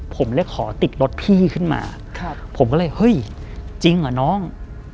ผมเลยขอติดรถพี่ขึ้นมาผมก็เลยเฮ้ยจริงเหรอน้อง